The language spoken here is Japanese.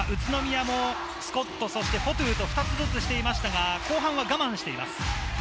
宇都宮もスコット、フォトゥと２つずつしていましたが、後半は我慢しています。